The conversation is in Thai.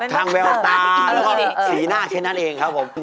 แววตาแล้วก็สีหน้าแค่นั้นเองครับผม